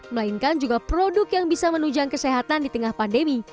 melainkan juga produk yang bisa menunjang kesehatan di tengah pandemi